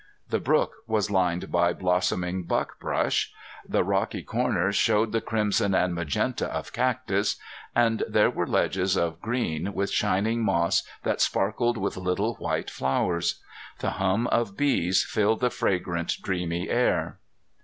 The brook was lined by blossoming buck brush; the rocky corners showed the crimson and magenta of cactus; and there were ledges of green with shining moss that sparkled with little white flowers. The hum of bees filled the fragrant, dreamy air.